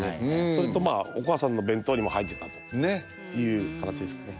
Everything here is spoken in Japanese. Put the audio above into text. それとお母さんの弁当にも入ってたという形ですかね